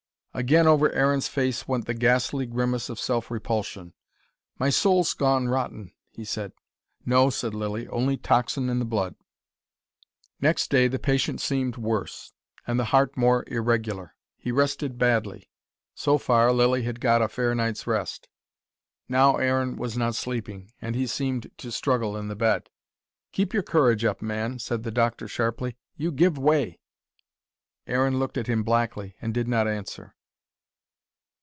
Again over Aaron's face went the ghastly grimace of self repulsion. "My soul's gone rotten," he said. "No," said Lilly. "Only toxin in the blood." Next day the patient seemed worse, and the heart more irregular. He rested badly. So far, Lilly had got a fair night's rest. Now Aaron was not sleeping, and he seemed to struggle in the bed. "Keep your courage up, man," said the doctor sharply. "You give way." Aaron looked at him blackly, and did not answer.